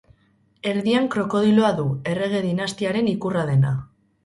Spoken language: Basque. Erdian krokodiloa du, errege dinastiaren ikurra dena.